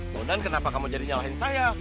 kemudian kenapa kamu jadi nyalahin saya